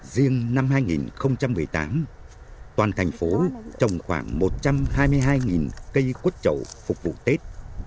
riêng năm hai nghìn một mươi tám toàn thành phố trồng khoảng một trăm hai mươi hai cây quất chậu phục vụ tết